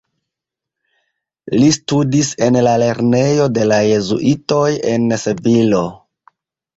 Li studis en la lernejo de la Jezuitoj en Sevilo.